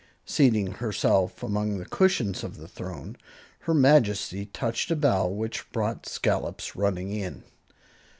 Seating herself among the cushions of the throne, her Majesty touched a bell which brought Scollops running in.